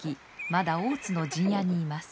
まだ大津の陣屋にいます。